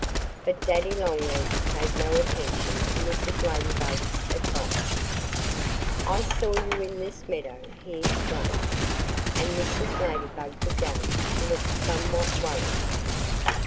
But Daddy Longlegs paid no attention to Mrs. Ladybug's advice. "I saw you in this meadow," he explained. And Mrs. Ladybug began to look somewhat worried.